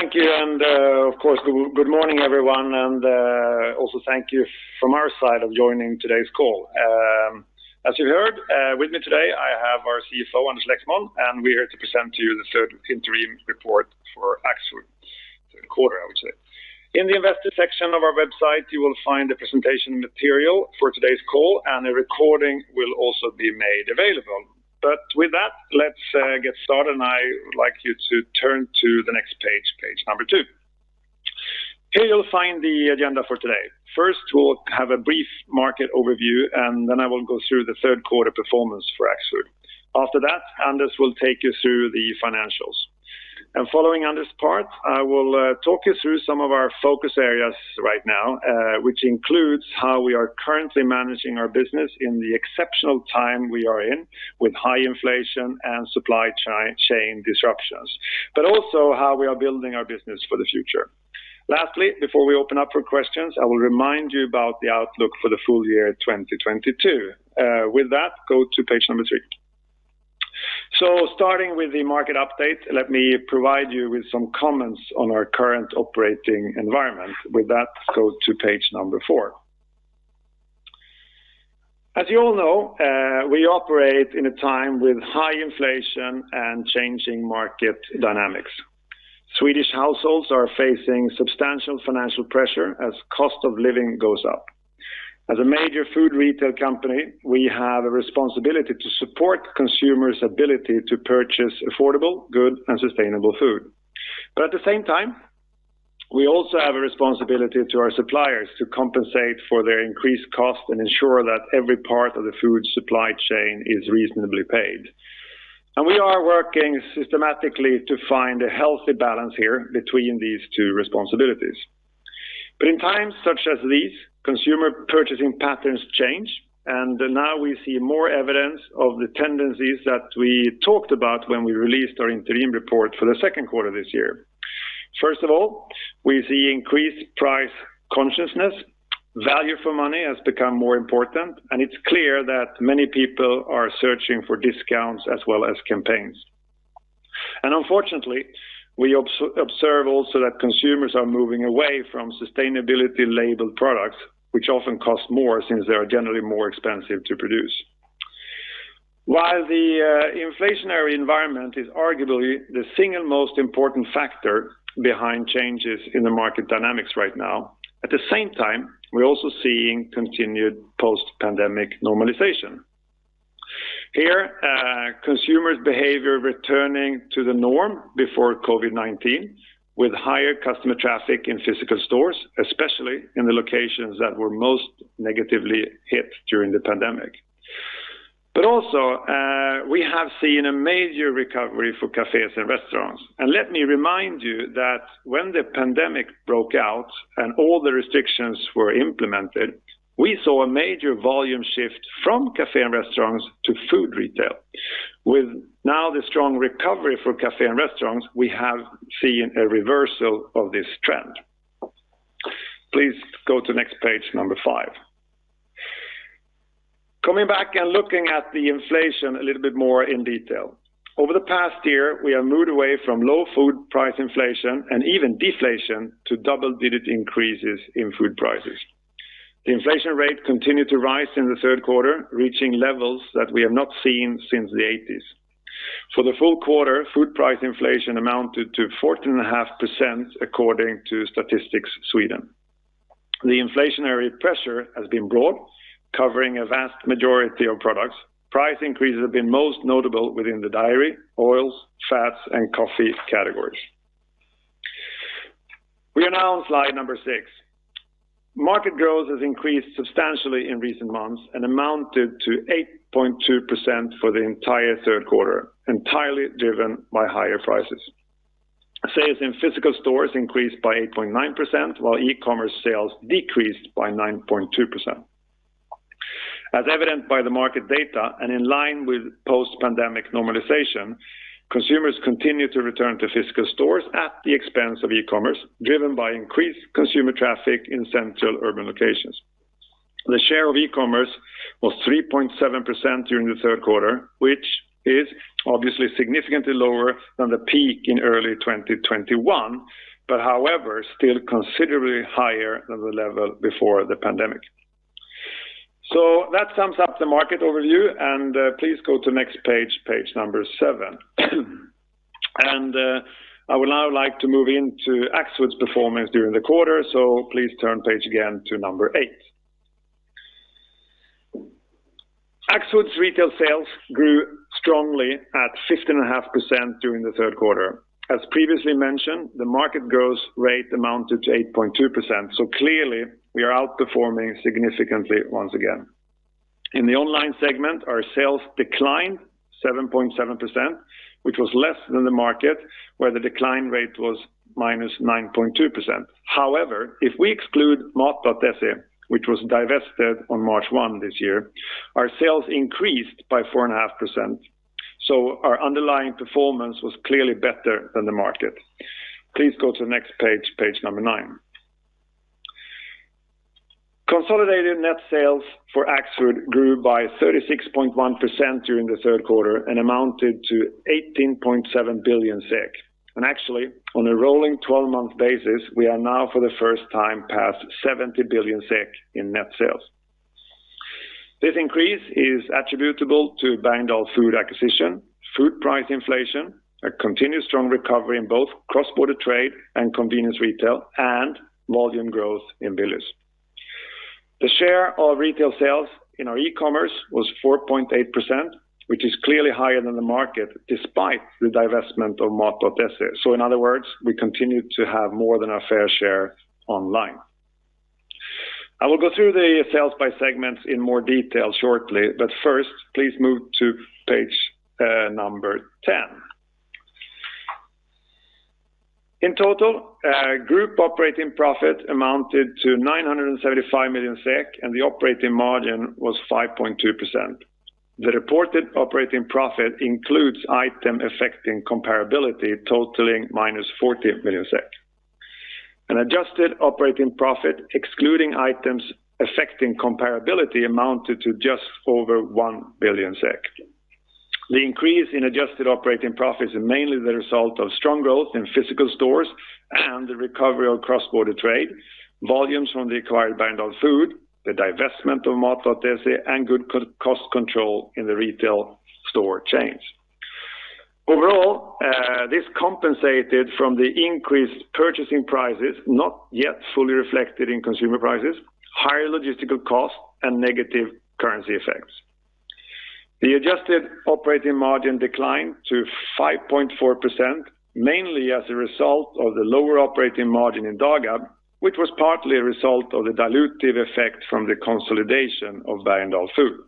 Thank you and, of course, good morning, everyone, and also thank you from our side for joining today's call. As you heard, with me today, I have our CFO, Anders Lexmon, and we're here to present to you the third interim report for Axfood third quarter, I would say. In the investor section of our website, you will find the presentation material for today's call, and a recording will also be made available. With that, let's get started, and I would like you to turn to the next page number two. Here you'll find the agenda for today. First, we'll have a brief market overview, and then I will go through the third quarter performance for Axfood. After that, Anders will take you through the financials. Following Anders' part, I will talk you through some of our focus areas right now, which includes how we are currently managing our business in the exceptional time we are in with high inflation and supply chain disruptions. But also, how we are building our business for the future. Lastly, before we open up for questions, I will remind you about the outlook for the full year 2022. With that, go to page number three. Starting with the market update, let me provide you with some comments on our current operating environment. With that, go to page number four. As you all know, we operate in a time with high inflation and changing market dynamics. Swedish households are facing substantial financial pressure as cost of living goes up. As a major food retail company, we have a responsibility to support consumers' ability to purchase affordable, good, and sustainable food. At the same time, we also have a responsibility to our suppliers to compensate for their increased cost and ensure that every part of the food supply chain is reasonably paid. We are working systematically to find a healthy balance here between these two responsibilities. In times such as these, consumer purchasing patterns change, and now we see more evidence of the tendencies that we talked about when we released our interim report for the second quarter this year. First of all, we see increased price consciousness. Value for money has become more important, and it's clear that many people are searching for discounts as well as campaigns. Unfortunately, we observe also that consumers are moving away from sustainability labeled products, which often cost more since they are generally more expensive to produce. While the inflationary environment is arguably the single most important factor behind changes in the market dynamics right now, at the same time, we're also seeing continued post-pandemic normalization. Here, consumers' behavior returning to the norm before COVID-19 with higher customer traffic in physical stores, especially in the locations that were most negatively hit during the pandemic. Also, we have seen a major recovery for cafes and restaurants. Let me remind you that when the pandemic broke out and all the restrictions were implemented, we saw a major volume shift from cafe and restaurants to food retail. With now the strong recovery for cafe and restaurants, we have seen a reversal of this trend. Please go to next page, number five. Coming back and looking at the inflation a little bit more in detail. Over the past year, we have moved away from low food price inflation and even deflation to double-digit increases in food prices. The inflation rate continued to rise in the third quarter, reaching levels that we have not seen since the 80s. For the full quarter, food price inflation amounted to 14.5% according to Statistics Sweden. The inflationary pressure has been broad, covering a vast majority of products. Price increases have been most notable within the dairy, oils, fats, and coffee categories. We are now on slide number six. Market growth has increased substantially in recent months and amounted to 8.2% for the entire third quarter, entirely driven by higher prices. Sales in physical stores increased by 8.9%, while e-commerce sales decreased by 9.2%. As evidenced by the market data and in line with post-pandemic normalization, consumers continue to return to physical stores at the expense of e-commerce, driven by increased consumer traffic in central urban locations. The share of e-commerce was 3.7% during the third quarter, which is obviously significantly lower than the peak in early 2021, but however, still considerably higher than the level before the pandemic. That sums up the market overview, and please go to next page number seven. I would now like to move into Axfood's performance during the quarter, so please turn page again to number eight. Axfood's retail sales grew strongly at 15.5% during the third quarter. As previously mentioned, the market growth rate amounted to 8.2%, so clearly, we are outperforming significantly once again. In the online segment, our sales declined 7.7%, which was less than the market, where the decline rate was -9.2%. However, if we exclude Mat.se, which was divested on March 1 this year, our sales increased by 4.5%, so our underlying performance was clearly better than the market. Please go to the next page number nine. Consolidated net sales for Axfood grew by 36.1% during the third quarter and amounted to 18.7 billion SEK. Actually, on a rolling twelve-month basis, we are now for the first time past 70 billion SEK in net sales. This increase is attributable to Bergendahls Food acquisition, food price inflation, a continuous strong recovery in both cross-border trade and convenience retail, and volume growth in Willys. The share of retail sales in our e-commerce was 4.8%, which is clearly higher than the market despite the divestment of Mat.se. In other words, we continue to have more than our fair share online. I will go through the sales by segments in more detail shortly, but first, please move to page number ten. In total, group operating profit amounted to 975 million SEK, and the operating margin was 5.2%. The reported operating profit includes items affecting comparability totaling -14 million SEK. An adjusted operating profit, excluding items affecting comparability, amounted to just over 1 billion SEK. The increase in adjusted operating profits is mainly the result of strong growth in physical stores and the recovery of cross-border trade, volumes from the acquired Bergendahls Food, the divestment of Mat.se, and good cost control in the retail store chains. Overall, this compensated for the increased purchasing prices not yet fully reflected in consumer prices, higher logistical costs, and negative currency effects. The adjusted operating margin declined to 5.4%, mainly as a result of the lower operating margin in Dagab, which was partly a result of the dilutive effect from the consolidation of Bergendahls Food.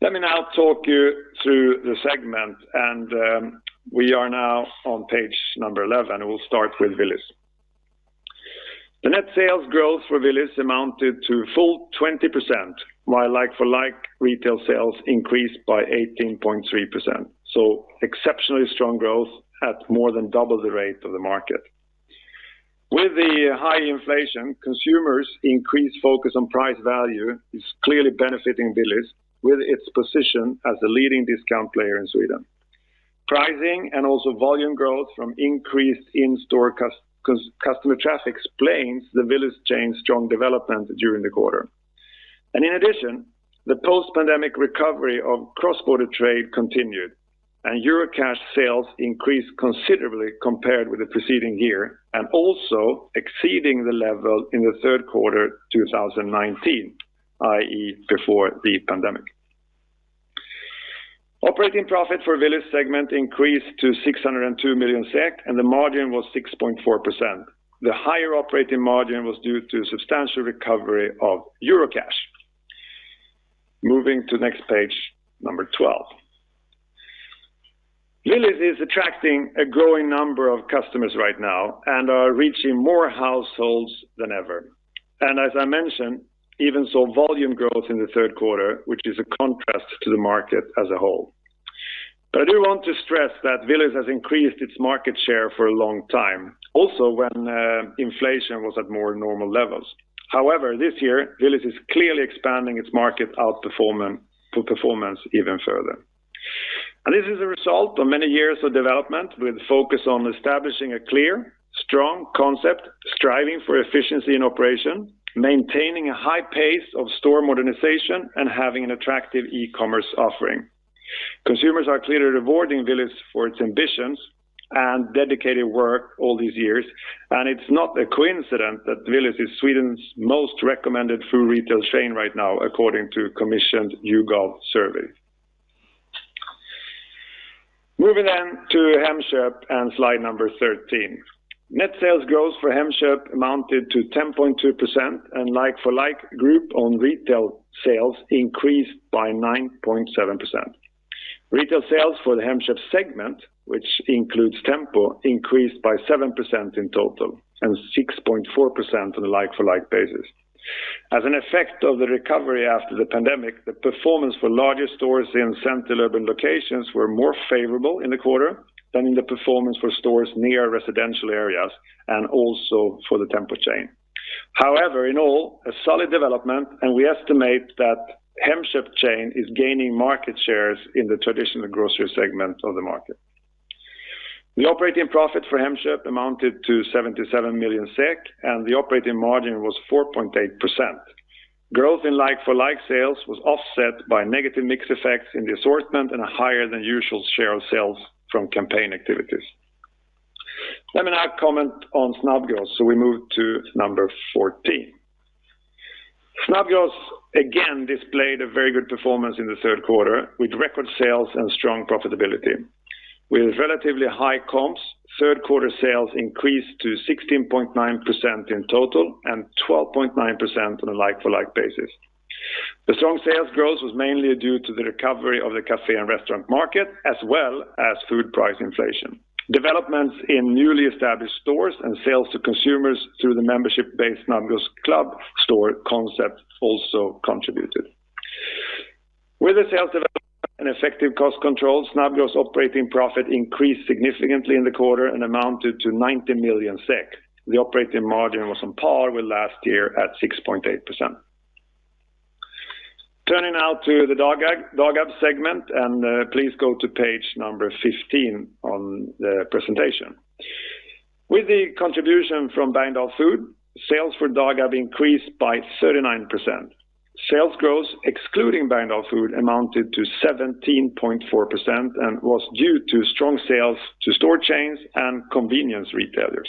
Let me now walk you through the segment and, we are now on page number 11. We'll start with Willys. The net sales growth for Willys amounted to full 20%, while like-for-like retail sales increased by 18.3%. Exceptionally strong growth at more than double the rate of the market. With the high inflation, consumers increased focus on price value is clearly benefiting Willys with its position as the leading discount player in Sweden. Pricing and also volume growth from increased in-store customer traffic explains the Willys chain strong development during the quarter. In addition, the post-pandemic recovery of cross-border trade continued, and Eurocash sales increased considerably compared with the preceding year and also exceeding the level in the third quarter 2019, i.e. before the pandemic. Operating profit for Willys segment increased to 602 million SEK, and the margin was 6.4%. The higher operating margin was due to substantial recovery of Eurocash. Moving to next page, number 12. Willys is attracting a growing number of customers right now and are reaching more households than ever. As I mentioned, even saw volume growth in the third quarter, which is a contrast to the market as a whole. I do want to stress that Willys has increased its market share for a long time, also when inflation was at more normal levels. However, this year, Willys is clearly expanding its market outperformance even further. This is a result of many years of development with focus on establishing a clear, strong concept, striving for efficiency in operation, maintaining a high pace of store modernization and having an attractive e-commerce offering. Consumers are clearly rewarding Willys for its ambitions and dedicated work all these years, and it's not a coincidence that Willys is Sweden's most recommended food retail chain right now, according to commissioned YouGov survey. Moving on to Hemköp and slide number 13. Net sales growth for Hemköp amounted to 10.2%, and like-for-like growth in retail sales increased by 9.7%. Retail sales for the Hemköp segment, which includes Tempo, increased by 7% in total and 6.4% on a like-for-like basis. As an effect of the recovery after the pandemic, the performance for larger stores in central urban locations were more favorable in the quarter than in the performance for stores near residential areas and also for the Tempo chain. However, in all, a solid development, and we estimate that Hemköp chain is gaining market shares in the traditional grocery segment of the market. The operating profit for Hemköp amounted to 77 million SEK, and the operating margin was 4.8%. Growth in like-for-like sales was offset by negative mix effects in the assortment and a higher than usual share of sales from campaign activities. Let me now comment on Snabbgross, so we move to number 14. Snabbgross again displayed a very good performance in the third quarter with record sales and strong profitability. With relatively high comps, third quarter sales increased to 16.9% in total and 12.9% on a like-for-like basis. The strong sales growth was mainly due to the recovery of the cafe and restaurant market, as well as food price inflation. Developments in newly established stores and sales to consumers through the membership-based Snabbgross Club store concept also contributed. With the sales development and effective cost control, Snabbgross's operating profit increased significantly in the quarter and amounted to 90 million SEK. The operating margin was on par with last year at 6.8%. Turning now to the Dagab segment, and please go to page number 15 on the presentation. With the contribution from Bergendahls Food, sales for Dagab increased by 39%. Sales growth, excluding Bergendahls Food, amounted to 17.4% and was due to strong sales to store chains and convenience retailers.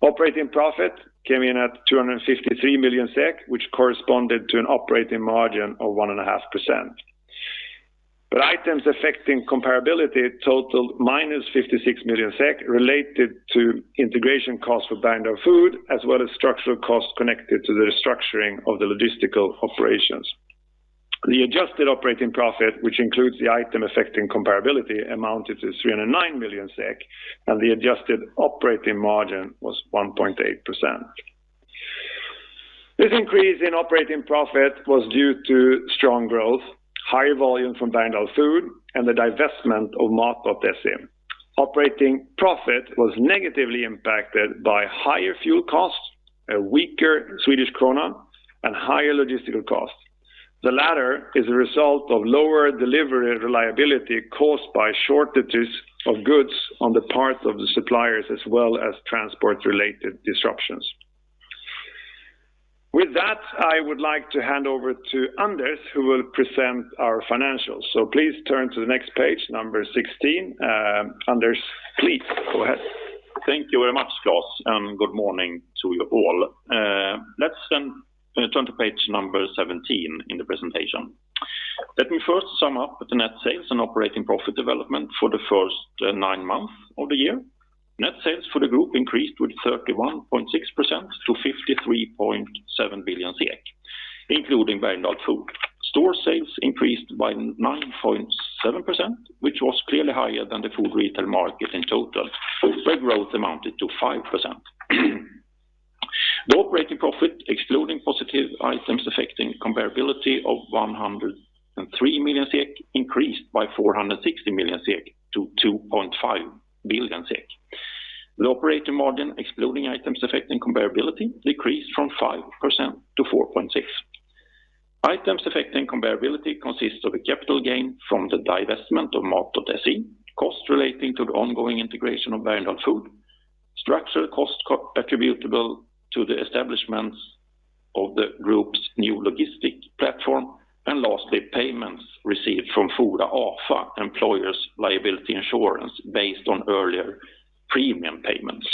Operating profit came in at 253 million SEK, which corresponded to an operating margin of 1.5%. Items affecting comparability totaled 56 million SEK related to integration costs for Bergendahls Food, as well as structural costs connected to the restructuring of the logistical operations. The adjusted operating profit, which includes the item affecting comparability, amounted to 309 million SEK, and the adjusted operating margin was 1.8%. This increase in operating profit was due to strong growth, high volume from Bergendahls Food, and the divestment of Mat.se. Operating profit was negatively impacted by higher fuel costs, a weaker Swedish krona, and higher logistical costs. The latter is a result of lower delivery reliability caused by shortages of goods on the part of the suppliers as well as transport-related disruptions. With that, I would like to hand over to Anders, who will present our financials. Please turn to the next page, 16. Anders, please go ahead. Thank you very much, Klas, and good morning to you all. Let's turn to page 17 in the presentation. Let me first sum up the net sales and operating profit development for the first nine months of the year. Net sales for the group increased with 31.6% to 53.7 billion, including Bergendahls Food. Store sales increased by 9.7%, which was clearly higher than the food retail market in total. Food trade growth amounted to 5%. The operating profit, excluding positive items affecting comparability of 103 million SEK, increased by 460 million SEK to 2.5 billion SEK. The operating margin excluding items affecting comparability decreased from 5% to 4.6%. Items affecting comparability consists of a capital gain from the divestment of Mat.se, cost relating to the ongoing integration of Bergendahls Food, structural cost co-attributable to the establishments of the group's new logistic platform, and lastly, payments received from Fora/AFA, employers' liability insurance based on earlier premium payments.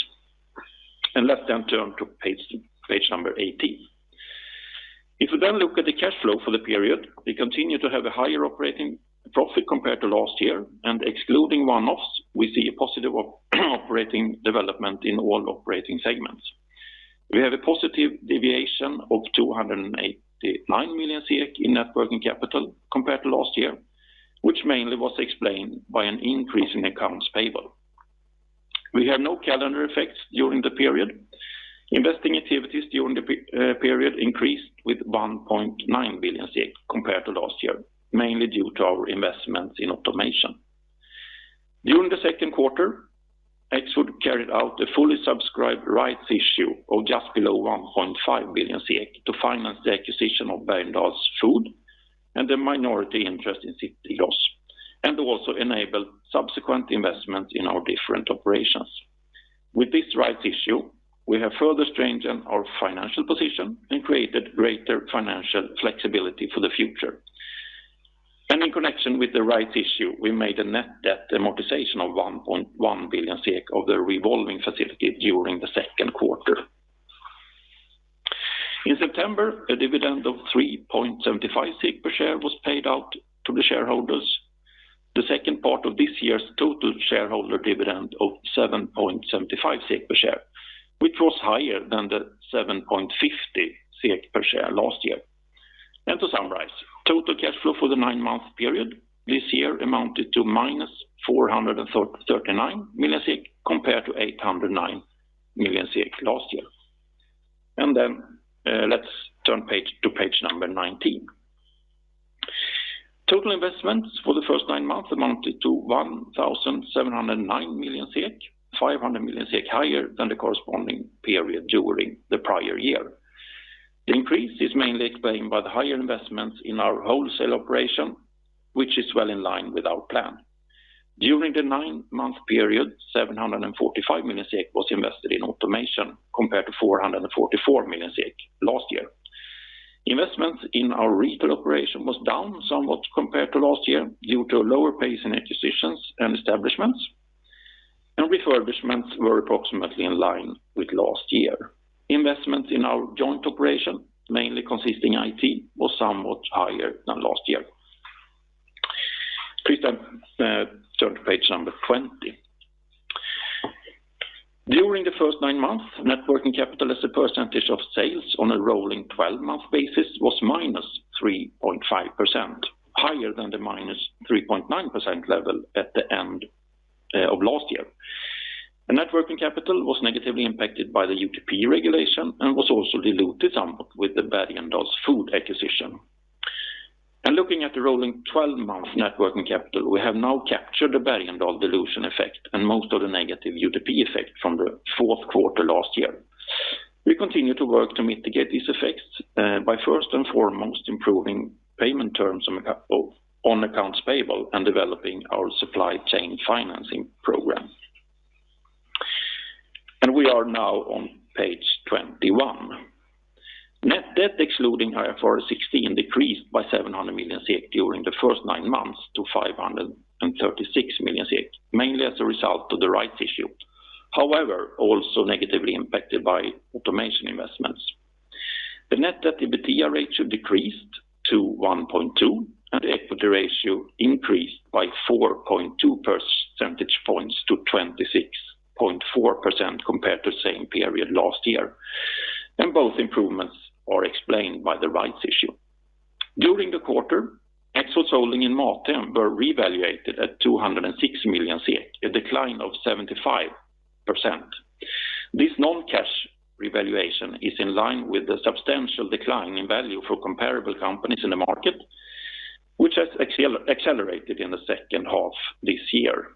Let's turn to page number 18. If we then look at the cash flow for the period, we continue to have a higher operating profit compared to last year, and excluding one-offs, we see a positive operating development in all operating segments. We have a positive deviation of 289 million in net working capital compared to last year, which mainly was explained by an increase in accounts payable. We have no calendar effects during the period. Investing activities during the period increased with 1.9 billion SEK compared to last year, mainly due to our investments in automation. During the second quarter, Axfood carried out a fully subscribed rights issue of just below 1.5 billion SEK to finance the acquisition of Bergendahls Food and the minority interest in City Gross, and also enable subsequent investments in our different operations. With this rights issue, we have further strengthened our financial position and created greater financial flexibility for the future. In connection with the rights issue, we made a net debt amortization of 1.1 billion SEK of the revolving facility during the second quarter. In September, a dividend of 3.75 per share was paid out to the shareholders. The second part of this year's total shareholder dividend of 7.75 SEK per share, which was higher than the 7.50 SEK per share last year. To summarize, total cash flow for the nine-month period this year amounted to -439 million compared to 809 million last year. Let's turn to page number 19. Total investments for the first nine months amounted to 1,709 million SEK, 500 million SEK higher than the corresponding period during the prior year. The increase is mainly explained by the higher investments in our wholesale operation, which is well in line with our plan. During the nine-month period, 745 million SEK was invested in automation compared to 444 million SEK last year. Investments in our retail operation was down somewhat compared to last year due to a lower pace in acquisitions and establishments, and refurbishments were approximately in line with last year. Investments in our joint operation, mainly consisting IT, was somewhat higher than last year. Please, turn to page number 20. During the first nine months, net working capital as a percentage of sales on a rolling twelve-month basis was -3.5%, higher than the -3.9% level at the end of last year. The net working capital was negatively impacted by the UTP regulation and was also diluted somewhat with the Bergendahls Food acquisition. Looking at the rolling twelve-month net working capital, we have now captured the Bergendahls dilution effect and most of the negative UTP effect from the fourth quarter last year. We continue to work to mitigate these effects by first and foremost improving payment terms on accounts payable and developing our supply chain financing program. We are now on page 21. Net debt excluding IFRS 16 decreased by 700 million SEK during the first nine months to 536 million SEK, mainly as a result of the rights issue. However, also negatively impacted by automation investments. The net debt EBITDA ratio decreased to 1.2%, and the equity ratio increased by 4.2 percentage points to 26.4% compared to same period last year. Both improvements are explained by the rights issue. During the quarter, Axfood's holding in MatHem were reevaluated at 206 million SEK, a decline of 75%. This non-cash revaluation is in line with the substantial decline in value for comparable companies in the market, which has accelerated in the second half this year.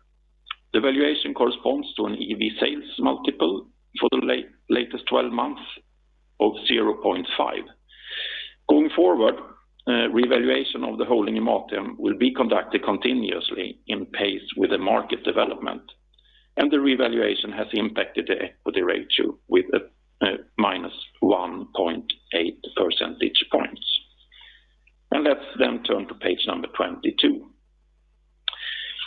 The valuation corresponds to an EV/Sales multiple for the latest twelve months of 0.5. Going forward, revaluation of the holding in MatHem will be conducted continuously in pace with the market development, and the revaluation has impacted the equity ratio with -1.8 percentage points. Let's then turn to page number 22.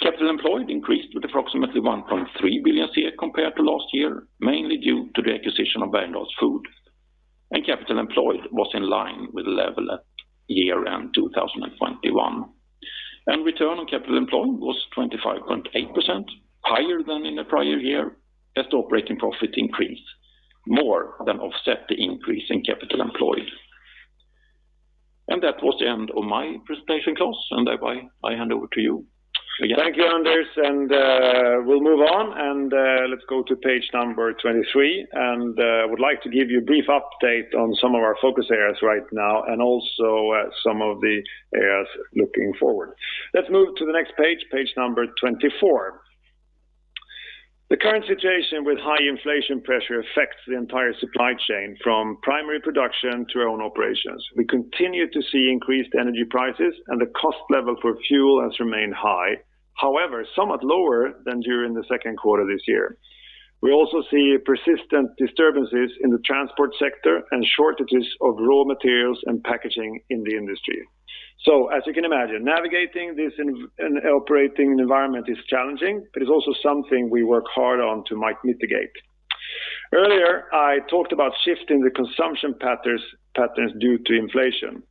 Capital employed increased with approximately 1.3 billion compared to last year, mainly due to the acquisition of Bergendahls Food. Capital employed was in line with the level at year-end 2021. Return on capital employed was 25.8%, higher than in the prior year as the operating profit increase more than offset the increase in capital employed. That was the end of my presentation, Klas, and thereby I hand over to you again. Thank you, Anders. We'll move on. Let's go to page number 23. I would like to give you a brief update on some of our focus areas right now and also some of the areas looking forward. Let's move to the next page number 24. The current situation with high inflation pressure affects the entire supply chain from primary production to our own operations. We continue to see increased energy prices, and the cost level for fuel has remained high. However, somewhat lower than during the second quarter this year. We also see persistent disturbances in the transport sector and shortages of raw materials and packaging in the industry. As you can imagine, navigating this an operating environment is challenging, but it's also something we work hard on to mitigate. Earlier, I talked about shifting the consumption patterns due to inflation.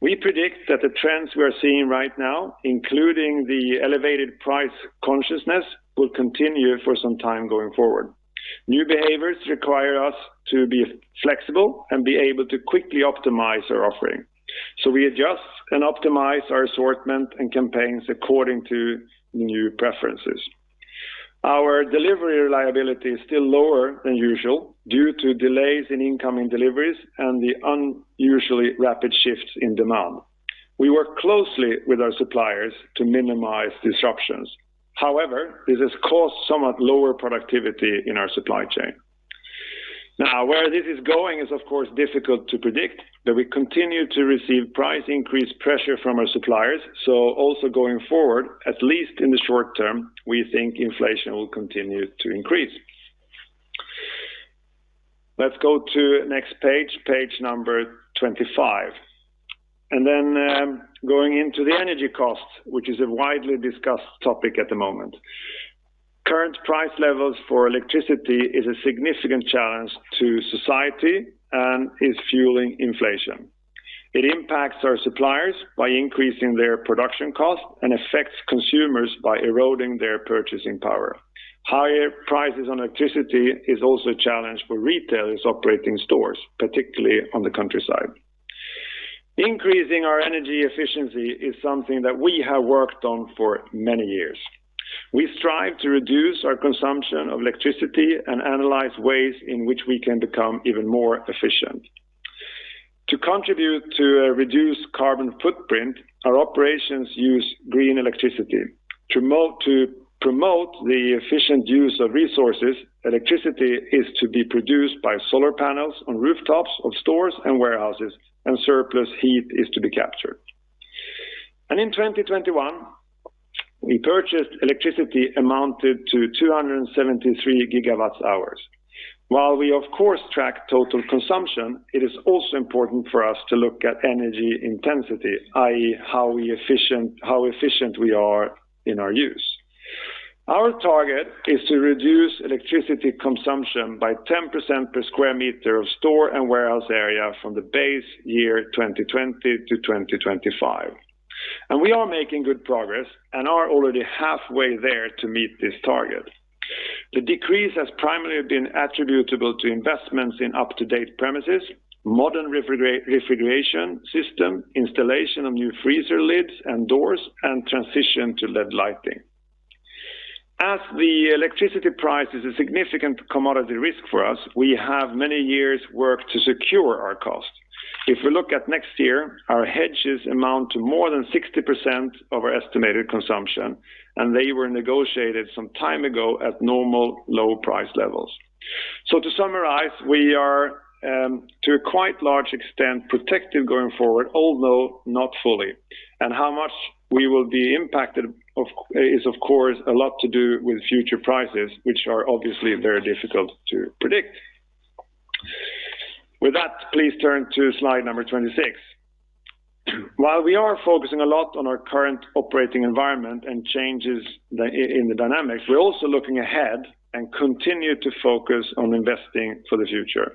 We predict that the trends we are seeing right now, including the elevated price consciousness, will continue for some time going forward. New behaviors require us to be flexible and be able to quickly optimize our offering. We adjust and optimize our assortment and campaigns according to new preferences. Our delivery reliability is still lower than usual due to delays in incoming deliveries and the unusually rapid shifts in demand. We work closely with our suppliers to minimize disruptions. However, this has caused somewhat lower productivity in our supply chain. Now, where this is going is of course difficult to predict, but we continue to receive price increase pressure from our suppliers. Also going forward, at least in the short term, we think inflation will continue to increase. Let's go to next page number 25. Going into the energy cost, which is a widely discussed topic at the moment. Current price levels for electricity is a significant challenge to society and is fueling inflation. It impacts our suppliers by increasing their production costs and affects consumers by eroding their purchasing power. Higher prices on electricity is also a challenge for retailers operating stores, particularly on the countryside. Increasing our energy efficiency is something that we have worked on for many years. We strive to reduce our consumption of electricity and analyze ways in which we can become even more efficient. To contribute to a reduced carbon footprint, our operations use green electricity. To promote the efficient use of resources, electricity is to be produced by solar panels on rooftops of stores and warehouses, and surplus heat is to be captured. In 2021, we purchased electricity amounted to 273 GWh. While we of course track total consumption, it is also important for us to look at energy intensity, i.e. how efficient we are in our use. Our target is to reduce electricity consumption by 10% per square meter of store and warehouse area from the base year 2020 to 2025. We are making good progress and are already halfway there to meet this target. The decrease has primarily been attributable to investments in up-to-date premises, modern refrigeration system, installation of new freezer lids and doors, and transition to LED lighting. As the electricity price is a significant commodity risk for us, we have many years work to secure our costs. If we look at next year, our hedges amount to more than 60% of our estimated consumption, and they were negotiated some time ago at normal low-price levels. To summarize, we are to a quite large extent protective going forward, although not fully. How much we will be impacted is of course a lot to do with future prices, which are obviously very difficult to predict. With that, please turn to slide number 26. While we are focusing a lot on our current operating environment and changes in the dynamics, we're also looking ahead and continue to focus on investing for the future.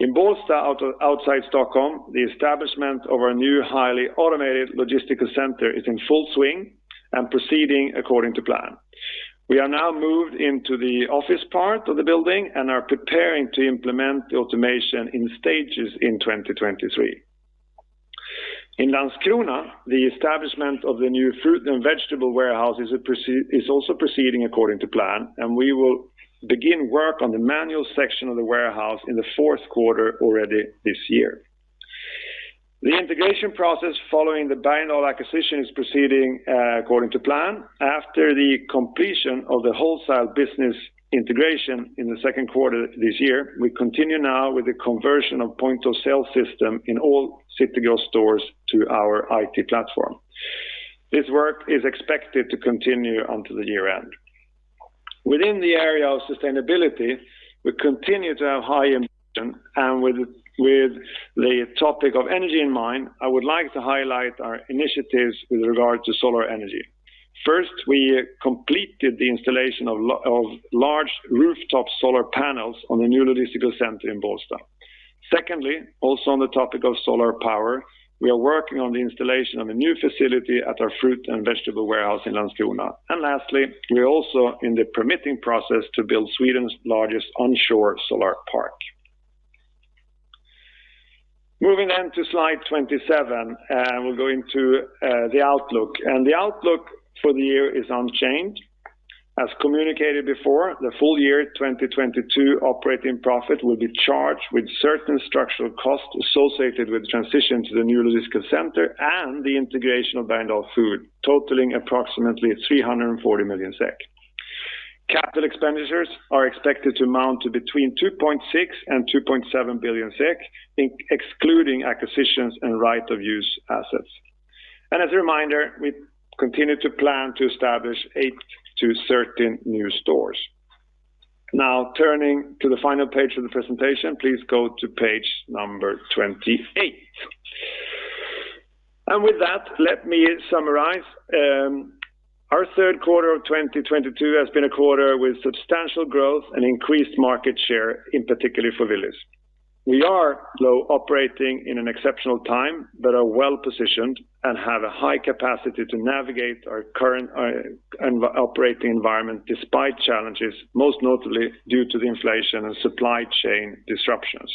In Bålsta outside Stockholm, the establishment of our new highly automated logistical center is in full swing and proceeding according to plan. We are now moved into the office part of the building and are preparing to implement the automation in stages in 2023. In Landskrona, the establishment of the new fruit and vegetable warehouse is also proceeding according to plan, and we will begin work on the manual section of the warehouse in the fourth quarter already this year. The integration process following the Bergendahls acquisition is proceeding according to plan. After the completion of the wholesale business integration in the second quarter this year, we continue now with the conversion of Point of Sale system in all City Gross stores to our IT platform. This work is expected to continue until the year end. Within the area of sustainability, we continue to have high ambition, and with the topic of energy in mind, I would like to highlight our initiatives with regard to solar energy. First, we completed the installation of a lot of large rooftop solar panels on the new logistical center in Bålsta. Secondly, also on the topic of solar power, we are working on the installation of a new facility at our fruit and vegetable warehouse in Landskrona. Lastly, we are also in the permitting process to build Sweden's largest onshore solar park. Moving on to slide 27, we'll go into the outlook. The outlook for the year is unchanged. As communicated before, the full year 2022 operating profit will be charged with certain structural costs associated with the transition to the new logistical center and the integration of Bergendahls Food, totaling approximately 340 million SEK. Capital expenditures are expected to amount to between 2.6 billion and 2.7 billion SEK, excluding acquisitions and right-of-use assets. As a reminder, we continue to plan to establish 8-13 new stores. Now, turning to the final page of the presentation, please go to page number 28. With that, let me summarize. Our third quarter of 2022 has been a quarter with substantial growth and increased market share, in particular for Willys. We are though operating in an exceptional time, but are well-positioned and have a high capacity to navigate our current operating environment despite challenges, most notably due to the inflation and supply chain disruptions.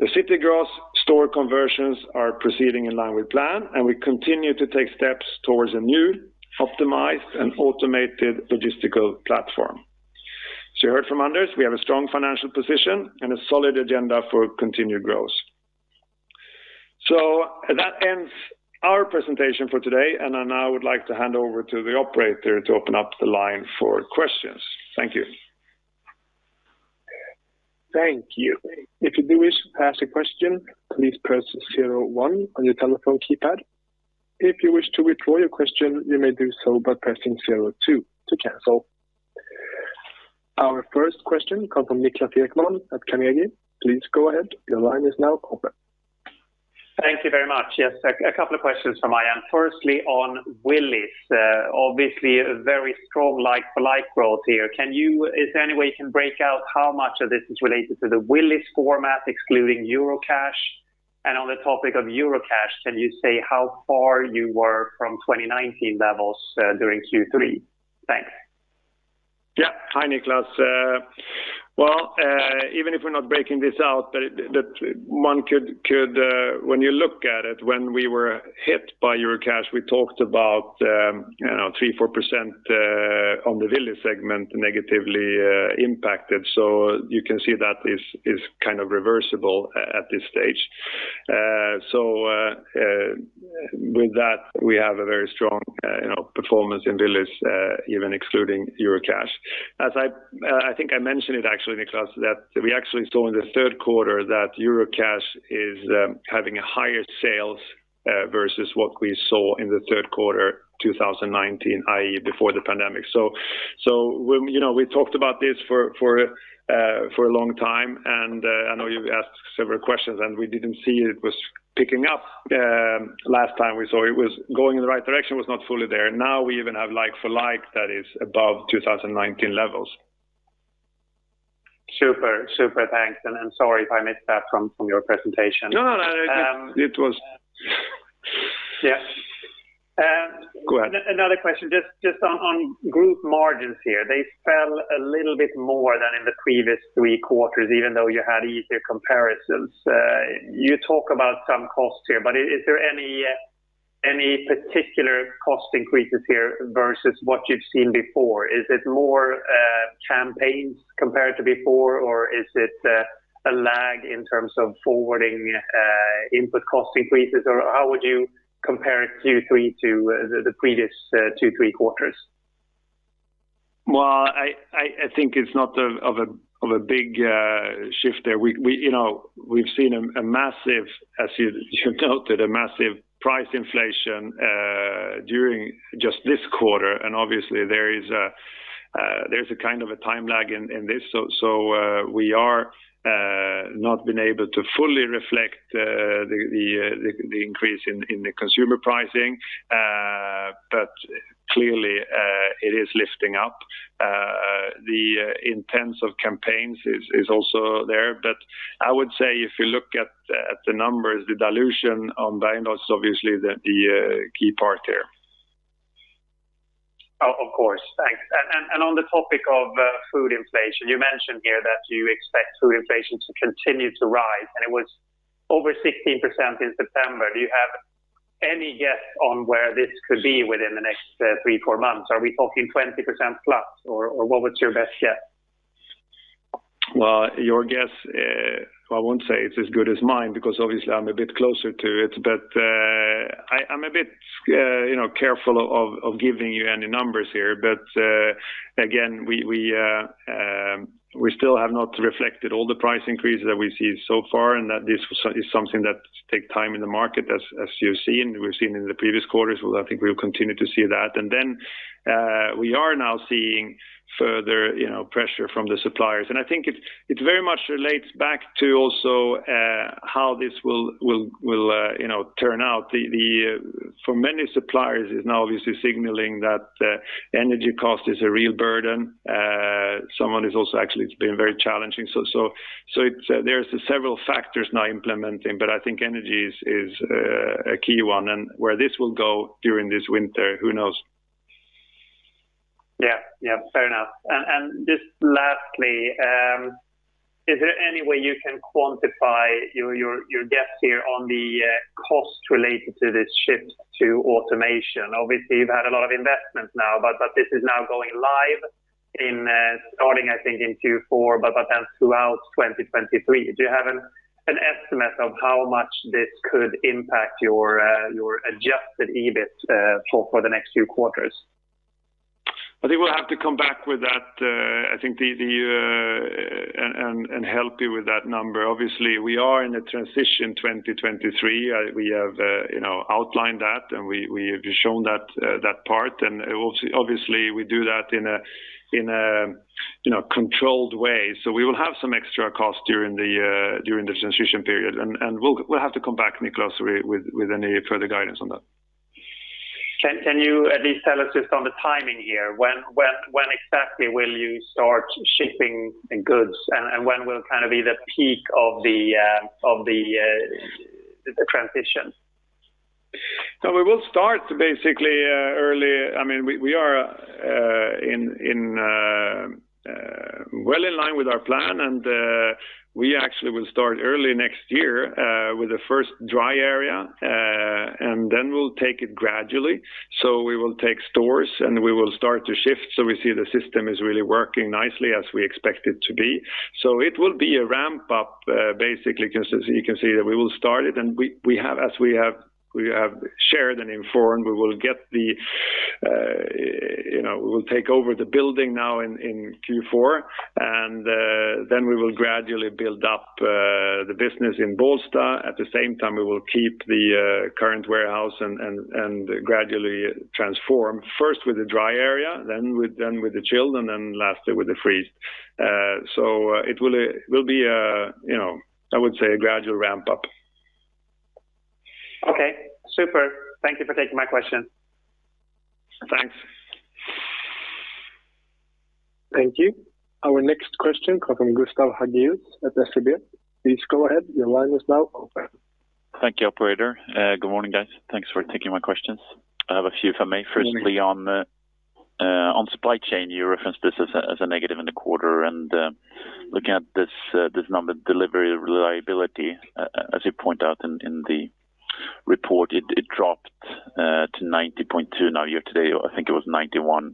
The City Gross store conversions are proceeding in line with plan, and we continue to take steps towards a new, optimized, and automated logistical platform. As you heard from Anders, we have a strong financial position and a solid agenda for continued growth. That ends our presentation for today, and I now would like to hand over to the operator to open up the line for questions. Thank you. Thank you. If you do wish to ask a question, please press zero one on your telephone keypad. If you wish to withdraw your question, you may do so by pressing zero two to cancel. Our first question come from Niklas Ekman at Carnegie. Please go ahead. Your line is now open. Thank you very much. Yes, a couple of questions from my end. Firstly, on Willys, obviously a very strong like-for-like growth here. Is there any way you can break out how much of this is related to the Willys format excluding Eurocash? And on the topic of Eurocash, can you say how far you were from 2019 levels during Q3? Thanks. Yeah. Hi, Niklas. Even if we're not breaking this out, one could, when you look at it, when we were hit by Eurocash, we talked about, you know, 3%-4% on the Willys segment negatively impacted. You can see that is kind of reversible at this stage. With that, we have a very strong, you know, performance in Willys, even excluding Eurocash. As I think I mentioned it actually, Niklas, that we actually saw in the third quarter that Eurocash is having higher sales versus what we saw in the third quarter 2019, i.e., before the pandemic. You know, we talked about this for a long time, and I know you've asked several questions, and we didn't see it was picking up. Last time we saw it was going in the right direction, was not fully there. Now we even have like-for-like that is above 2019 levels. Super. Thanks. I'm sorry if I missed that from your presentation. No, no. It was Yeah. Go ahead. Another question, just on group margins here. They fell a little bit more than in the previous three quarters, even though you had easier comparisons. You talk about some costs here, but is there any particular cost increases here versus what you've seen before? Is it more campaigns compared to before or is it a lag in terms of forwarding input cost increases? Or how would you compare it Q3 to the previous two, three quarters? I think it's not of a big shift there. We, you know, we've seen a massive, as you noted, a massive price inflation during just this quarter, and obviously there's a kind of a time lag in this. We have not been able to fully reflect the increase in the consumer pricing. But clearly it is lifting up. The intensive campaigns are also there. But I would say if you looked at the numbers, the dilution on Bergendahls obviously the key part there. Of course. Thanks. On the topic of food inflation, you mentioned here that you expect food inflation to continue to rise, and it was over 16% in September. Do you have any guess on where this could be within the next three, four months? Are we talking 20%+, or what's your best guess? Well, your guess, I won't say it's as good as mine because obviously, I'm a bit closer to it. I'm a bit, you know, careful of giving you any numbers here. Again, we still have not reflected all the price increases that we've seen so far, and that this is something that take time in the market as you've seen, we've seen in the previous quarters. Well, I think we'll continue to see that. Then, we are now seeing further, you know, pressure from the suppliers. I think it very much relates back to also how this will, you know, turn out. For many suppliers is now obviously signaling that energy cost is a real burden. It's been very challenging. There's several factors now impacting, but I think energy is a key one. Where this will go during this winter, who knows? Yeah. Yeah. Fair enough. Just lastly, is there any way you can quantify your guess here on the cost related to this shift to automation? Obviously, you've had a lot of investments now, but this is now going live in starting, I think, in Q4, but then throughout 2023. Do you have an estimate of how much this could impact your Adjusted EBIT for the next few quarters? I think we'll have to come back with that. I think and help you with that number. Obviously, we are in a transition 2023. We have, you know, outlined that, and we have shown that part. Also obviously, we do that in a, in a, you know, controlled way. We will have some extra cost during the transition period. We'll have to come back, Niklas, with any further guidance on that. Can you at least tell us just on the timing here, when exactly will you start shipping the goods? When will kind of be the peak of the transition? No, we will start basically early. I mean, we are in line with our plan and we actually will start early next year with the first dry area. Then we'll take it gradually. We will take stores and we will start to shift. We see the system is really working nicely as we expect it to be. It will be a ramp up basically. You can see that we will start it. We have shared and informed we will get the..., you know we will take over the building now in Q4. Then we will gradually build up the business in Bålsta. At the same time, we will keep the current warehouse and gradually transform first with the dry area, then with the chilled, and then lastly with the freeze. So, it will be, you know, I would say a gradual ramp up. Okay. Super. Thank you for taking my question. Thanks. Thank you. Our next question come from Gustav Hagéus at SEB. Please go ahead. Your line is now open. Thank you, operator. Good morning, guys. Thanks for taking my questions. I have a few if I may. Morning. Firstly, on supply chain, you referenced this as a negative in the quarter. Looking at this number, delivery reliability, as you point out in the report, it dropped to 90.2% now year to date. I think it was 91%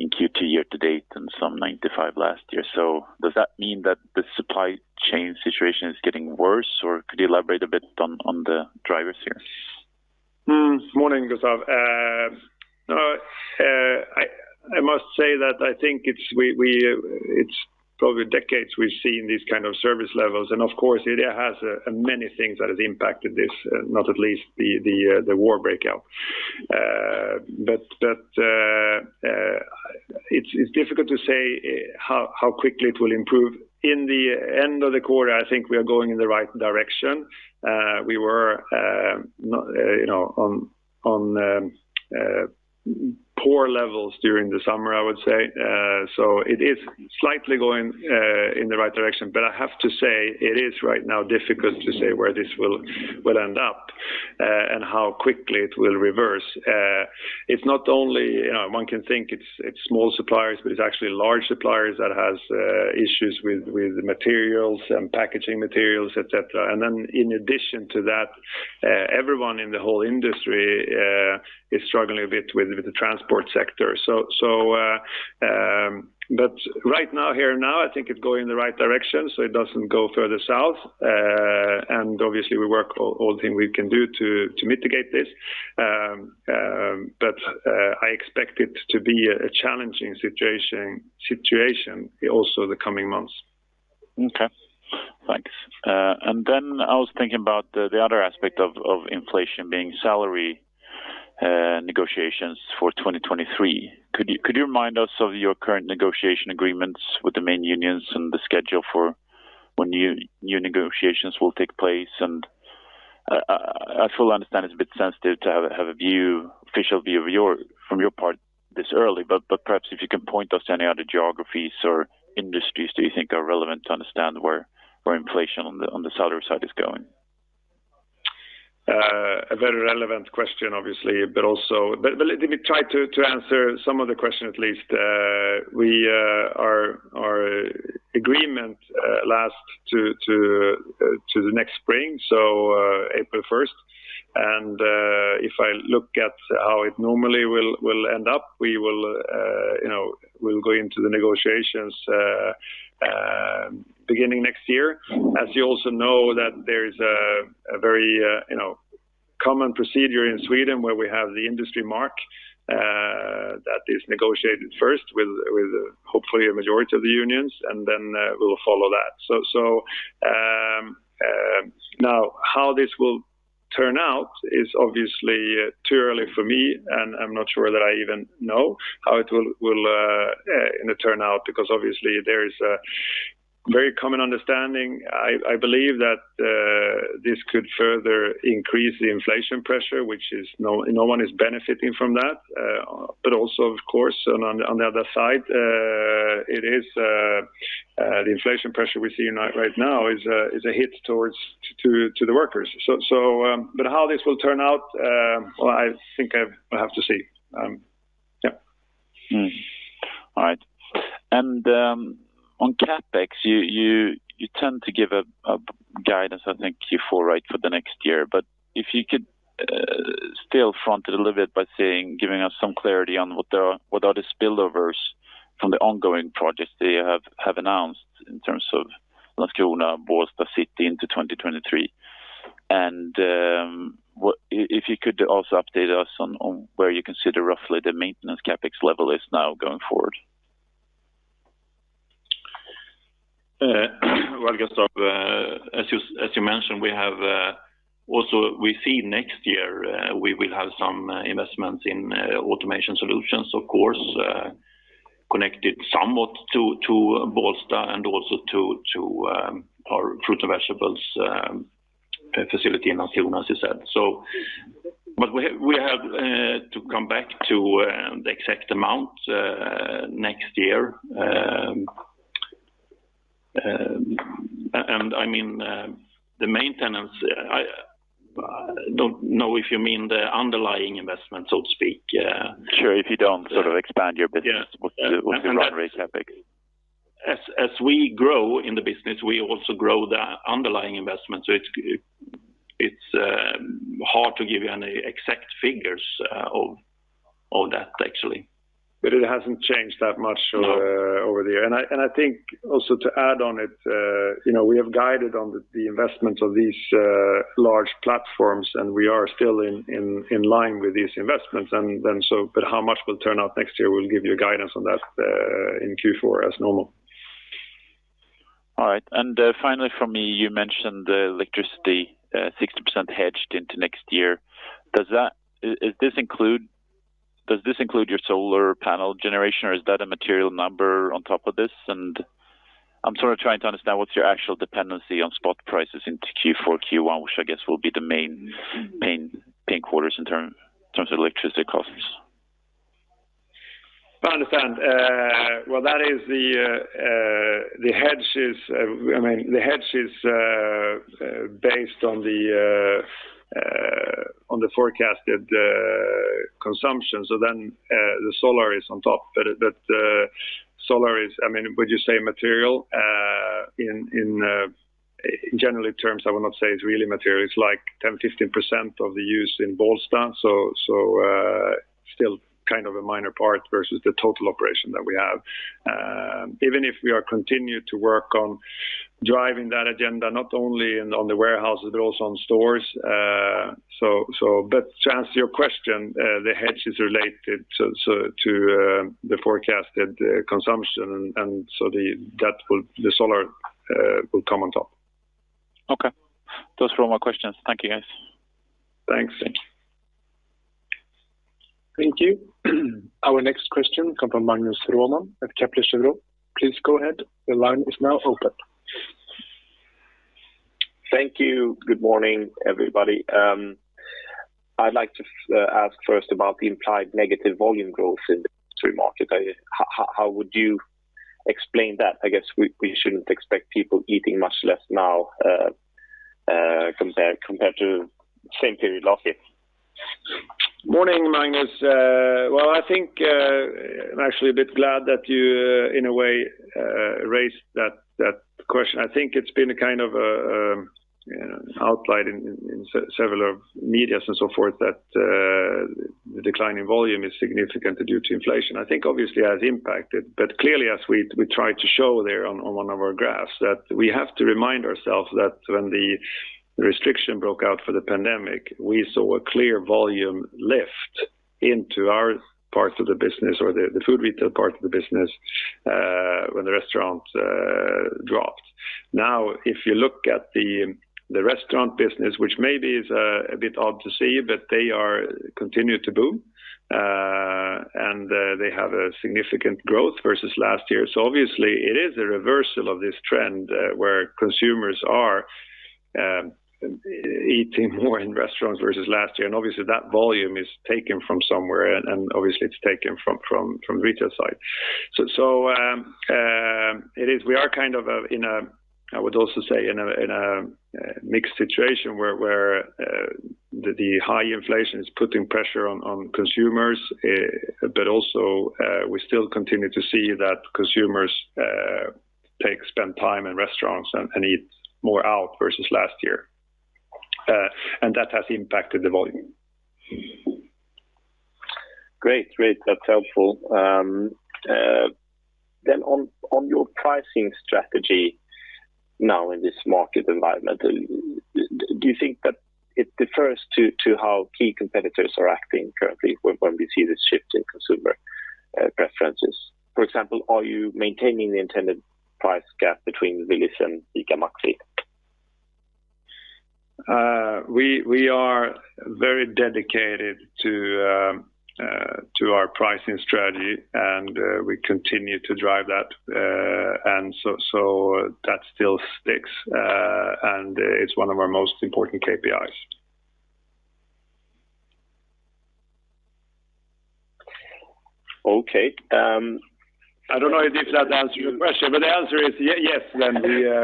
in Q2 year to date and some 95% last year. Does that mean that the supply chain situation is getting worse, or could you elaborate a bit on the drivers here? Morning, Gustav. No, I must say that I think it's probably decades we've seen these kinds of service levels. Of course, it has many things that have impacted this, not least the war breakout. It's difficult to say how quickly it will improve. In the end of the quarter, I think we are going in the right direction. We were, you know, on poor levels during the summer, I would say. It is slightly going in the right direction, but I have to say, it is right now difficult to say where this will end up. How quickly it will reverse. It's not only, you know, one can think it's small suppliers, but it's actually large suppliers that has issues with materials and packaging materials, etc. Then in addition to that, everyone in the whole industry is struggling a bit with the transport sector. Right now, here now, I think it's going in the right direction, so it doesn't go further south. Obviously, we work all thing we can do to mitigate this. I expect it to be a challenging situation also the coming months. Okay. Thanks. I was thinking about the other aspect of inflation being salary negotiations for 2023. Could you remind us of your current negotiation agreements with the main unions and the schedule for when new negotiations will take place? I fully understand it's a bit sensitive to have an official view from your part this early, but perhaps if you can point us to any other geographies or industries that you think are relevant to understand where inflation on the salary side is going. A very relevant question, obviously, but also. Let me try to answer some of the question at least. Our agreement lasts to the next spring, so April 1st. If I look at how it normally will end up, we will, you know, we'll go into the negotiations beginning next year. As you also know that there's a very, you know, common procedure in Sweden, where we have the industrimärket that is negotiated first with hopefully a majority of the unions, and then we'll follow that. Now how this will turn out is obviously too early for me, and I'm not sure that I even know how it will you know turn out, because obviously there is a very common understanding, I believe that this could further increase the inflation pressure, which no one is benefiting from that. But also of course, on the other side, it is the inflation pressure we see now, right now is a hit towards the workers. How this will turn out, well, we'll have to see. Mm-hmm. All right. On CapEx, you tend to give a guidance, I think Q4, right, for the next year. If you could still front it a little bit by saying, giving us some clarity on what are the spillovers from the ongoing projects that you have announced in terms of Nacka, Bålsta City into 2023. If you could also update us on where you consider roughly the maintenance CapEx level is now going forward? Well, Gustav, as you mentioned, we also see next year we will have some investments in automation solutions, of course, connected somewhat to Bålsta and also to our fruit and vegetables facility in Nacka, as you said. We have to come back to the exact amount next year. I mean, the maintenance, I don't know if you mean the underlying investment, so to speak. Sure. If you don't sort of expand your business, what's your run rate CapEx? As we grow in the business, we also grow the underlying investment. It's hard to give you any exact figures of that, actually. It hasn't changed that much. No... over the year. I think also to add on it, you know, we have guided on the investment of these large platforms, and we are still in line with these investments. How much will turn out next year, we'll give you guidance on that, in Q4 as normal. All right. Finally, from me, you mentioned the electricity, 60% hedged into next year. Does this include your solar panel generation, or is that a material number on top of this? I'm sort of trying to understand what's your actual dependency on spot prices into Q4, Q1, which I guess will be the main quarters in terms of electricity costs. I understand. That is the hedge is based on the forecasted consumption. The solar is on top. Solar is, I mean, would you say material? In general terms, I would not say it's really material. It's like 10%-15% of the use in Bålsta, still kind of a minor part versus the total operation that we have. Even if we are continued to work on driving that agenda, not only in the warehouses, but also on stores. To answer your question, the hedge is related to the forecasted consumption and the solar will come on top. Okay. Those were all my questions. Thank you, guys. Thanks. Thank you. Thank you. Our next question comes from Magnus Råman at Kepler Cheuvreux. Please go ahead. The line is now open. Thank you. Good morning, everybody. I'd like to ask first about the implied negative volume growth in the grocery market. How would you explain that? I guess we shouldn't expect people eating much less now, compared to same period last year. Morning, Magnus. Well, I think I'm actually a bit glad that you in a way raised that question. I think it's been a kind of you know outlined in several media and so forth that the decline in volume is significant due to inflation. I think obviously has impacted. Clearly as we tried to show there on one of our graphs that we have to remind ourselves that when the pandemic broke out, we saw a clear volume lift into our parts of the business or the food retail part of the business, when the restaurant dropped. Now, if you look at the restaurant business, which maybe is a bit odd to see, but they continue to boom, and they have a significant growth versus last year. Obviously, it is a reversal of this trend, where consumers are eating more in restaurants versus last year. Obviously that volume is taken from somewhere, and obviously it's taken from the retail side. We are kind of, I would also say, in a mixed situation where the high inflation is putting pressure on consumers, but also, we still continue to see that consumers spend time in restaurants and eat more out versus last year. That has impacted the volume. Great. That's helpful. On your pricing strategy now in this market environment, do you think that it differs from how key competitors are acting currently when we see this shift in consumer preferences? For example, are you maintaining the intended price gap between Willys and ICA Maxi? We are very dedicated to our pricing strategy, and we continue to drive that. That still sticks and it's one of our most important KPIs. Okay. I don't know if that answers your question, but the answer is yes, then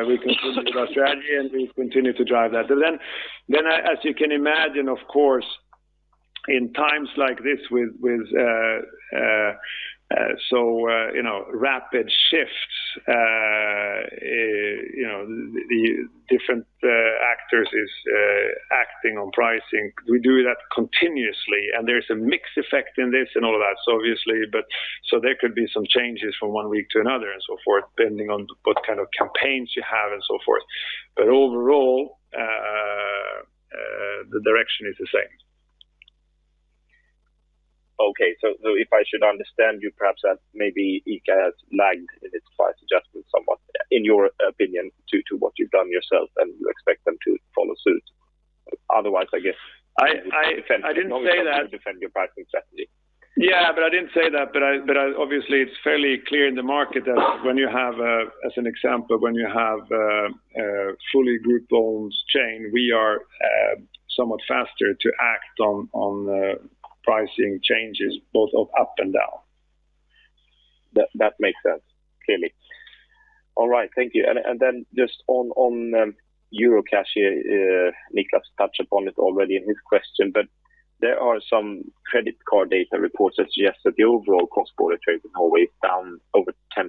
we continue with our strategy and we continue to drive that. As you can imagine, of course, in times like this with you know, rapid shifts, you know, the different actors is acting on pricing. We do that continuously, and there's a mixed effect in this and all of that. Obviously, there could be some changes from one week to another and so forth, depending on what kind of campaigns you have and so forth. Overall, the direction is the same. If I should understand you perhaps that maybe ICA has lagged in its price adjustment somewhat, in your opinion, to what you've done yourself and you expect them to follow suit. Otherwise, I guess- I didn't say that. Defend your pricing strategy. Yeah. I didn't say that. Obviously, it's fairly clear in the market that when you have, as an example, a fully group-owned chain, we are somewhat faster to act on pricing changes both up and down. That makes sense, clearly. All right. Thank you. Then just on Eurocash, Niklas touched upon it already in his question, but there are some credit card data reports that suggest that the overall cross-border trade with Norway is down over 10%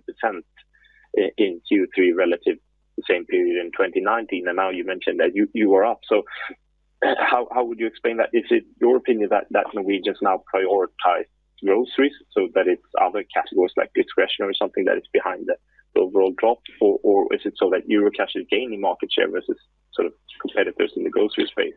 in Q3 relative to the same period in 2019. Now you mentioned that you are up. How would you explain that? Is it your opinion that Norwegians now prioritize groceries so that it's other categories like discretionary or something that is behind the overall drop? Or is it so that Eurocash is gaining market share versus sort of competitors in the grocery space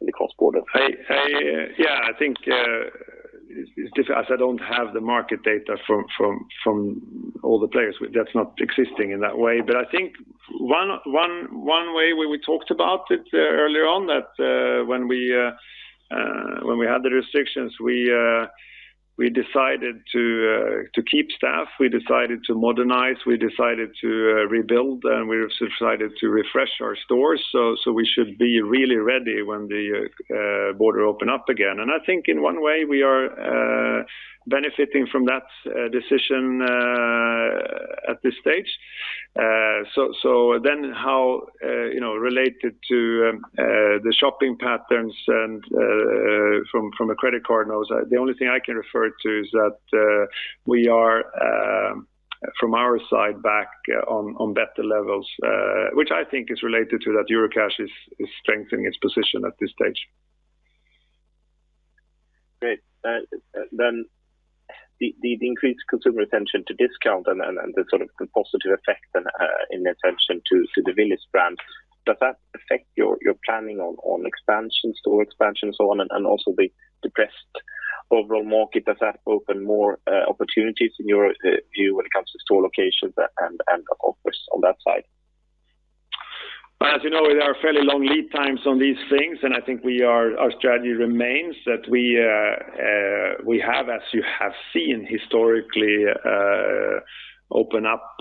in the cross-border? Yeah, I think it's difficult. I don't have the market data from all the players, that's not existing in that way. I think one way we talked about it earlier on that when we had the restrictions, we decided to keep staff, we decided to modernize, we decided to rebuild, and we decided to refresh our stores. We should be really ready when the border opens up again. I think in one way, we are benefiting from that decision at this stage. How, you know, related to the shopping patterns and from a credit card notes, the only thing I can refer to is that we are from our side back on better levels, which I think is related to that Eurocash is strengthening its position at this stage. Great. The increased consumer attention to discount and the sort of composite effect in attention to the Willys brand, does that affect your planning on expansion, store expansion and so on? Also the depressed overall market, does that open more opportunities in your view when it comes to store locations and of course on that side? As you know, there are fairly long lead times on these things, and I think our strategy remains that we have, as you have seen historically, open up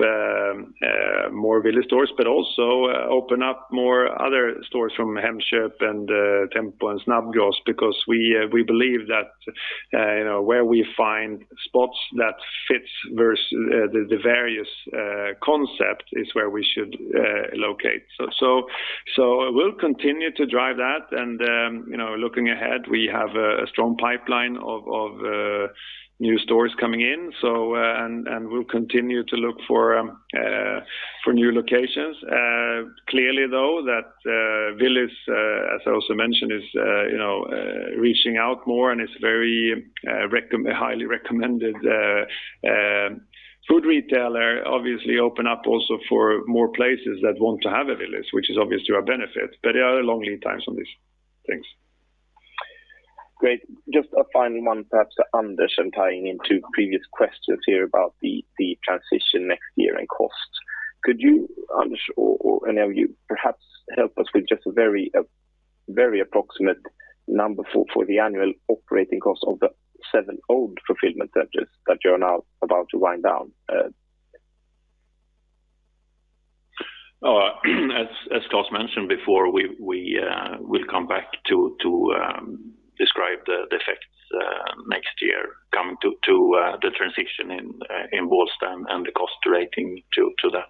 more Willys stores, but also open up more other stores from Hemköp and Tempo and Snabbgross because we believe that, you know, where we find spots that fits the various concept is where we should locate. We'll continue to drive that and, you know, looking ahead, we have a strong pipeline of new stores coming in, and we'll continue to look for new locations. Clearly though, that Willys, as I also mentioned, is, you know, reaching out more and it's very highly recommended food retailer obviously open up also for more places that want to have a Willys, which is obviously a benefit, but there are long lead times on these things. Great. Just a final one, perhaps Anders and tying into previous questions here about the transition next year and costs. Could you, Anders or any of you perhaps help us with just a very, very approximate number for the annual operating cost of the seven old fulfillment centers that you're now about to wind down? As Klas mentioned before, we will come back to describe the effects next year coming to the transition in Bålsta and the cost relating to that.